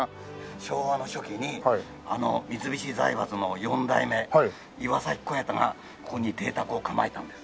昭和の初期にあの三菱財閥の４代目岩崎小彌太がここに邸宅を構えたんです。